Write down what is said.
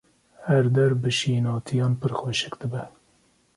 Her der bi şînatiyan pir xweşik dibe.